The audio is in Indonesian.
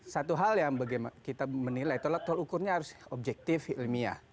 satu hal yang kita menilai tolak ukurnya harus objektif ilmiah